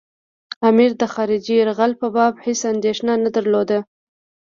امیر د خارجي یرغل په باب هېڅ اندېښنه نه درلوده.